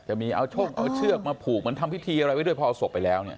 จะมีเอาเชือกมาผูกเหมือนทำพิธีอะไรด้วยพอเอาศพไปแล้ว